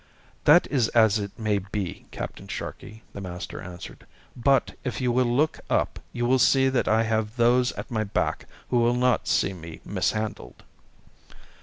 "That is as it may be, Captain Sharkey," the master answered, "but if you will look up you will see that I have those at my back who will not see me mishandled."